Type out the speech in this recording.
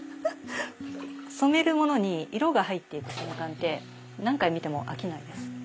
染めるものに色が入っていく瞬間って何回見ても飽きないです。